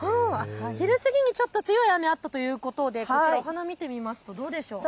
昼過ぎに強い雨があったということでお花を見てみますとどうでしょうか。